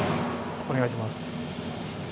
お願いします。